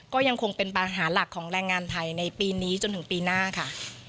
ก็ยังคงเป็นปัญหาหลักของแรงงานไทยในปีนี้จนถึงปีหน้าค่ะ